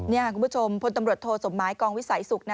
นี่คุณผู้ชมพลตำรวจโทสมหมายกองวิสัยศุกร์